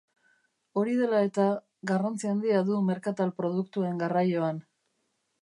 Hori dela eta, garrantzi handia du merkatal produktuen garraioan.